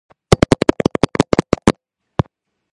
აქვს მხატვრობა მათე მახარებელი.